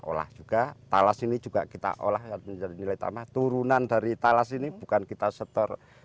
olah juga talas ini juga kita olah menjadi nilai tambah turunan dari talas ini bukan kita setor